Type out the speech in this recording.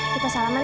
kita salaman yuk